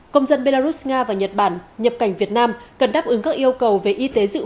công dân belarus nga và nhật bản nhập cảnh việt nam cần đáp ứng các yêu cầu về y tế dự